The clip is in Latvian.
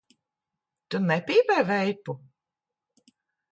Tu nepīpē veipu?